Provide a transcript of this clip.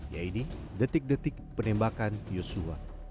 yaitu detik detik penembakan yosua